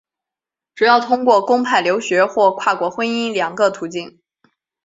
主要通过公派留学或跨国婚姻两个途径。